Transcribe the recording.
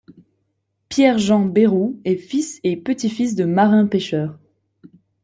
Pierre-Jean Berrou est fils et petit-fils de marin-pêcheur.